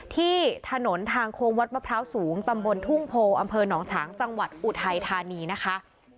ที่ถนนทางโค้งวัดมะพร้าวสูงตำบลทุ่งโพอำเภอหนองฉางจังหวัดอุทัยธานีนะคะ